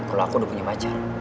kalau aku udah punya pacar